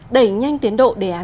đẩy nhanh tiến độ đề án sáu